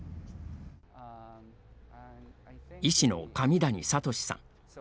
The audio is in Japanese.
医師の紙谷聡さん。